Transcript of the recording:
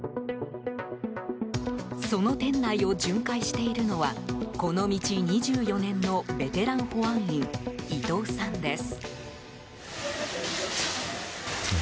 その店内を巡回しているのはこの道２４年のベテラン保安員伊東さんです。